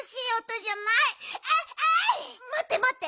まってまって。